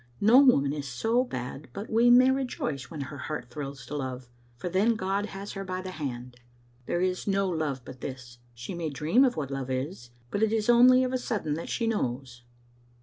No woman is so bad but we may rejoice when her heart thrills to love, for then God has her by the hand. There is no love but this. She may dream of what love is, but it is only of a sudden that she knows.